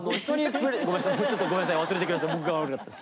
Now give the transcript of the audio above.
ちょっとごめんなさい忘れて下さい僕が悪かったです。